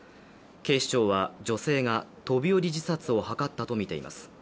警視庁は女性が飛び降り自殺を図ったとみています。